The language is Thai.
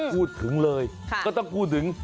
พูดถึงเลยก็ต้องพูดถึง